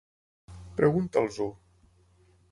Pregunta'ls-ho.